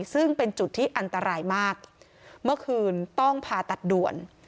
ซึ่งเป็นจุดที่อันตรายมากเมื่อคืนต้องผ่าตัดด่วน